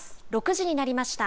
６時になりました。